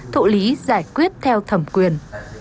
thụ lý giải quyết theo thẩm quyền